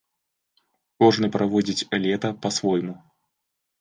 Кожны праводзіць лета па-свойму.